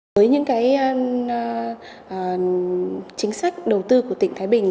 với những chính sách đầu tư của tỉnh thái bình